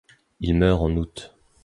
Il meurt en août.